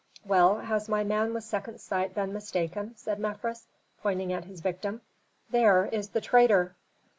"Well, has my man with second sight been mistaken?" said Mefres, pointing at his victim. "There is the traitor!"